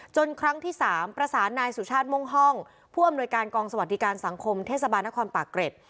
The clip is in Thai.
ครั้งที่๓ประสานนายสุชาติม่วงห้องผู้อำนวยการกองสวัสดิการสังคมเทศบาลนครปากเกร็ด